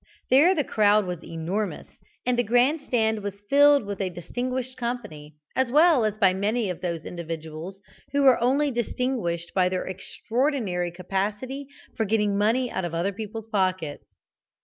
There the crowd was enormous, and the grand stand was filled with a distinguished company, as well as by many of those individuals who are only distinguished by their extraordinary capacity for getting money out of other people's pockets.